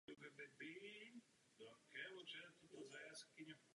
To by mělo zásobit velkou část evropského rozpočtu.